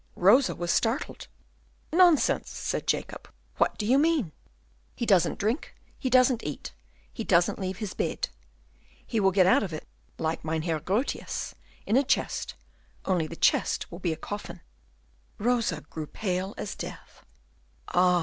Rosa was startled. "Nonsense!" said Jacob. "What do you mean?" "He doesn't drink, he doesn't eat, he doesn't leave his bed. He will get out of it, like Mynheer Grotius, in a chest, only the chest will be a coffin." Rosa grew pale as death. "Ah!"